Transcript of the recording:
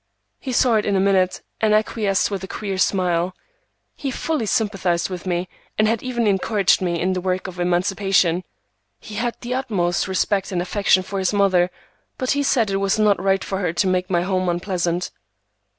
He saw it in a minute, and acquiesced with a queer smile. He fully sympathized with me, and had even encouraged me in the work of emancipation. He had the utmost respect and affection for his mother, but he said it was not right for her to make my home unpleasant.